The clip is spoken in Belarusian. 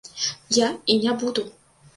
Я і не буду.